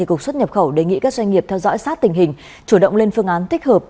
cục xuất nhập khẩu đề nghị các doanh nghiệp theo dõi sát tình hình chủ động lên phương án thích hợp